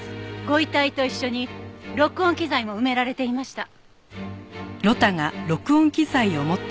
ご遺体と一緒に録音機材も埋められていました。